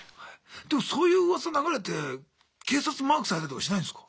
でもそういううわさ流れて警察にマークされたりとかしないんすか？